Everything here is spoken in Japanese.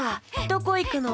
どこいくの？